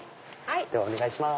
ではお願いします。